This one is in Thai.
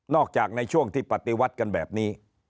จากในช่วงที่ปฏิวัติกันแบบนี้